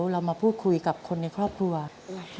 ทำงานชื่อนางหยาดฝนภูมิสุขอายุ๕๔ปี